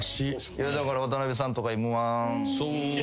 だから渡辺さんとかＭ−１。